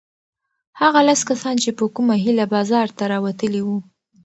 هغه لس کسان چې په کومه هیله بازار ته راوتلي وو؟